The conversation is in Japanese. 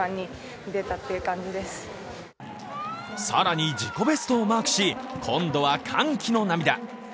更に自己ベストをマークし今度は歓喜の涙。